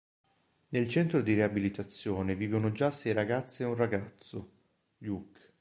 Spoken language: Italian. Nel centro di riabilitazione vivono già sei ragazze e un ragazzo, Luke.